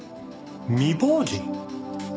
未亡人？